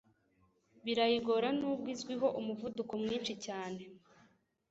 birayigora nubwo izwiho umuvuduko mwinshi cyane